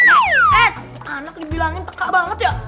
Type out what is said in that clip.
eh anak dibilangin peka banget ya